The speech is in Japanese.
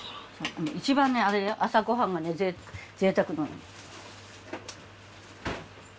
一番ねあれよ朝ごはんがぜいたくなの。